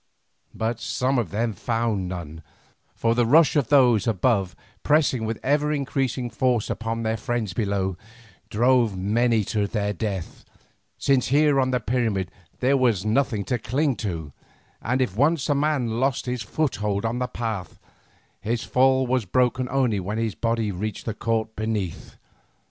But some of them found none, for the rush of those above pressing with ever increasing force upon their friends below, drove many to their death, since here on the pyramid there was nothing to cling to, and if once a man lost his foothold on the path, his fall was broken only when his body reached the court beneath.